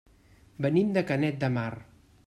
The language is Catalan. Venim de Canet de Mar.